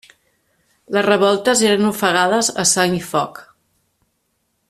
Les revoltes eren ofegades a sang i foc.